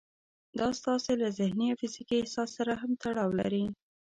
دا ستاسې له ذهني او فزيکي احساس سره هم تړاو لري.